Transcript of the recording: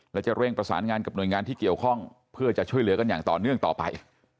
และจะเร่งประสานงานกับหน่วยงานที่เกี่ยวข้องเพื่อจะช่วยเหลือกันอย่างต่อเนื่องต่อไป